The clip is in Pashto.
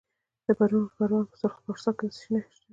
د پروان په سرخ پارسا کې څه شی شته؟